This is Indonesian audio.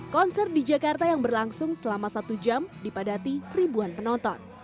konser di jakarta yang berlangsung selama satu jam dipadati ribuan penonton